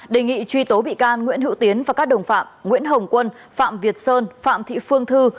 đề nghị truy tố bị can nguyễn hữu tiến và các đồng phạm nguyễn hồng quân phạm việt sơn phạm thị phương thư